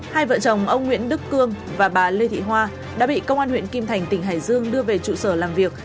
hai vợ chồng ông nguyễn đức cương và bà lê thị hoa đã bị công an huyện kim thành tỉnh hải dương đưa về trụ sở làm việc